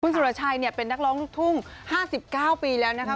สุรชัยเป็นนักร้องลูกทุ่ง๕๙ปีแล้วนะคะ